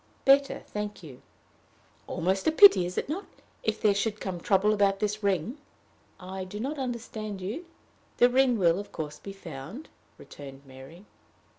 "Better, thank you." "Almost a pity, is it not if there should come trouble about this ring?" "I do not understand you. The ring will, of course, be found," returned Mary.